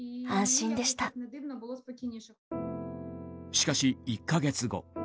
しかし、１か月後。